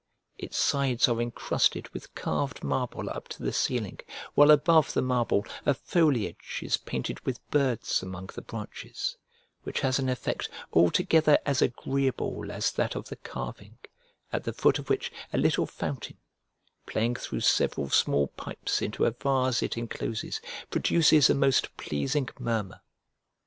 Its sides are encrusted with carved marble up to the ceiling, while above the marble a foliage is painted with birds among the branches, which has an effect altogether as agreeable as that of the carving, at the foot of which a little fountain, playing through several small pipes into a vase it encloses, produces a most pleasing murmur.